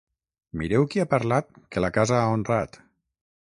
Mireu qui ha parlat que la casa ha honrat.